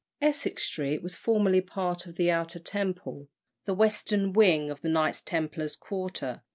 Essex Street was formerly part of the Outer Temple, the western wing of the Knight Templars' quarter.